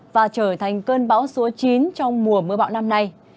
và trở thành cơn bão số chín trong mùa mưa bão năm nay